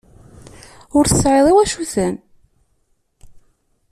Ur tesɛiḍ iwacuten.